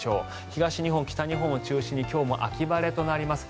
東日本、北日本を中心に今日も秋晴れとなります。